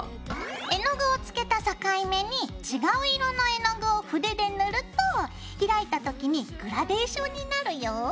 絵の具をつけた境目に違う色の絵の具を筆で塗ると開いた時にグラデーションになるよ。